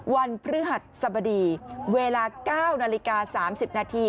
วันพฤหัสสบดีเวลา๙นาฬิกา๓๐นาที